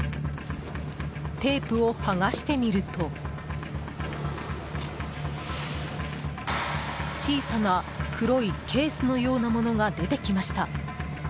テープを剥がしてみると小さな黒いケースのようなものが出てきました。